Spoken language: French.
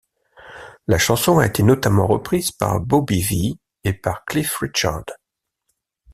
La chanson a été notamment reprise par Bobby Vee et par Cliff Richard.